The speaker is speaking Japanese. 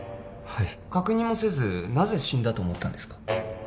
確認もせずなぜ死んだと思ったんですか？